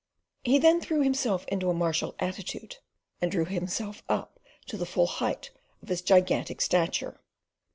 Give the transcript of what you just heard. He then threw himself into a martial attitude, and drew himself up to the full height of his gigantic stature.